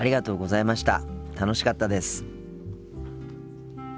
楽しかったです。